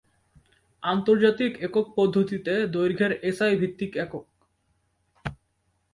আন্তর্জাতিক একক পদ্ধতিতে দৈর্ঘের এসআই ভিত্তিক একক।